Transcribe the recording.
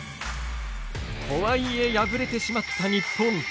とはいえ、敗れてしまった日本。